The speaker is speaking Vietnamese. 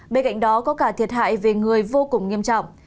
bên cạnh đó có cả thiệt hại về người vô cùng nghiêm trọng